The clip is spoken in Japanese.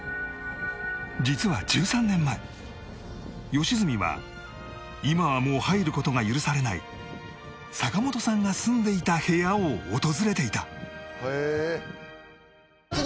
実は１３年前良純は今はもう入る事が許されない坂本さんが住んでいた部屋を訪れていた